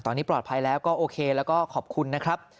ตอนนี้ปลอดภัยแล้วก็โอเคแล้วก็ขอบคุณนะครับ